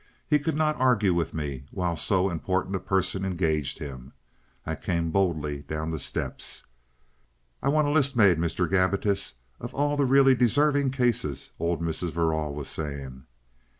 He could not argue with me while so important a person engaged him. ... I came boldly down the steps. "I want a list made, Mr. Gabbitas, of all the really deserving cases," old Mrs. Verrall was saying.